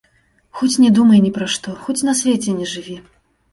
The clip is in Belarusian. Хоць не думай ні пра што, хоць на свеце не жыві!